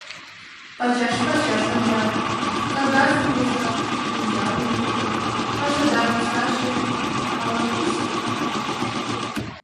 ПАЧАШ-ПАЧАШ ОНЧАТ, КАГАЗЫМ ВОЗАТ, ПУНЧАЛЫМ ЛУКТЫТ, ПАШАДАР ОКСАЖЕ... АЛА-КУШТО